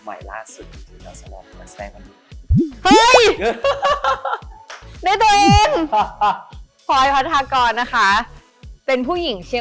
ใหม่ล่าสุดจริงแล้วก็สำรวจแฟนกันดี